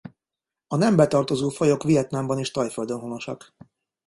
A nembe tartozó fajok Vietnámban és Thaiföldön honosak.